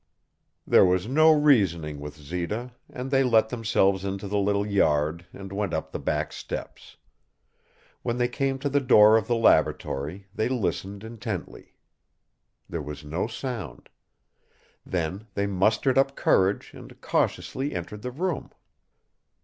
There was no reasoning with Zita, and they let themselves into the little yard and went up the back steps. When they came to the door of the laboratory they listened intently. There was no sound. Then they mustered up courage and cautiously entered the room.